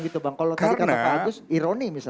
kalau tadi kata pak agus ironi misalnya